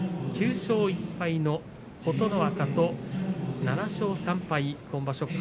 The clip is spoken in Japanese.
９勝１敗の琴ノ若と７勝３敗今場所